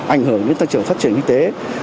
ảnh hưởng đến tăng trưởng phát triển kinh tế